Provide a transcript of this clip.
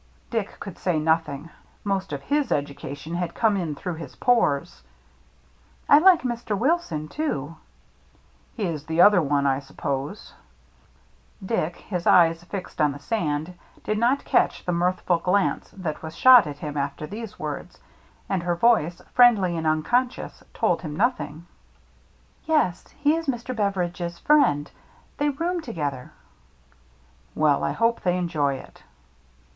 Dick could say nothing. Most of his educa tion had come in through his pores. « I like Mr. Wilson, too." " He is the other one, I suppose ?" Dick, his eyes fixed on the sand, did not catch the mirthful glance that was shot at him after these words. And her voice, friendly and unconscious, told him nothing. 74 THE MERRT ANNE " Yes, he is Mr. Beveridge's friend. They room together." " Well, I hope they enjoy it."